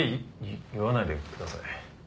言わないでください。